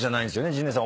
陣内さん